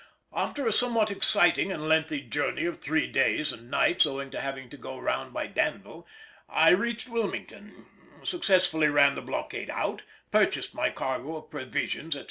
After a somewhat exciting and lengthy journey of three days and nights, owing to having to go round by Danville, I reached Wilmington, successfully ran the blockade out, purchased my cargo of provisions, etc.